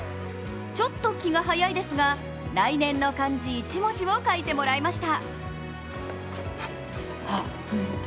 ちょっと気が早いですが、来年の漢字１文字を書いてもらいました。